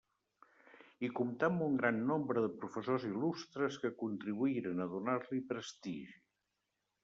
I comptà amb un gran nombre de professors il·lustres que contribuïren a donar-li prestigi.